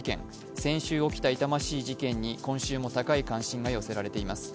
先週起きた痛ましい事件に今週も高い関心が寄せられています。